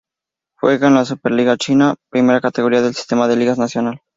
Juega en la Super Liga China, primera categoría del sistema de ligas nacional.